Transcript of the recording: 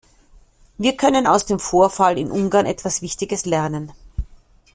Wir können aus dem Vorfall in Ungarn etwas Wichtiges lernen.